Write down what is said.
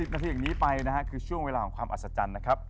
นาทีอย่างนี้ไปนะฮะคือช่วงเวลาของความอัศจรรย์นะครับ